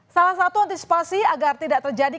salah satu antisipasi agar tidak terjadi